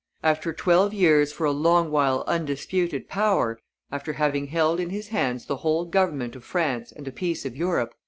After twelve years' for a long while undisputed power, after having held in his hands the whole government of France and the peace of Europe, M.